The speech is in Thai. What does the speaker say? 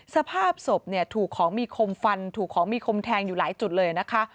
สภาพศพเนี่ยถูกของมีคมฟันถูกของมีคมแทงอยู่หลายจุดเลยนะคะ